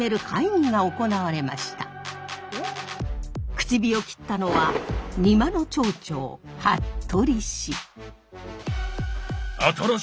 口火を切ったのは仁万の町長服部氏。